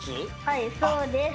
はいそうです。